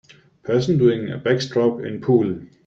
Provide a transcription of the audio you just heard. Person doing backstroke in pool